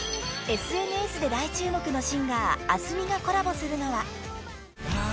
［ＳＮＳで大注目のシンガーａｓｍｉがコラボするのは］